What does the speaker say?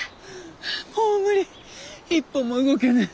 もう無理一歩も動けぬ。